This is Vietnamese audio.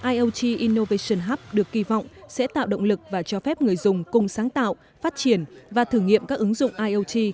iot innovation hub được kỳ vọng sẽ tạo động lực và cho phép người dùng cùng sáng tạo phát triển và thử nghiệm các ứng dụng iot